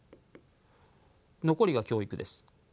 残りが教育です。